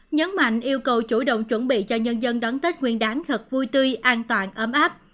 nhấn mạnh yêu cầu chủ động chuẩn bị cho nhân dân đón tết nguyên đáng thật vui tươi an toàn ấm áp